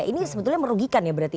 ini sebetulnya merugikan ya berarti